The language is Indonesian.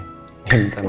aduh ya ampun